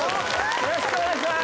よろしくお願いします。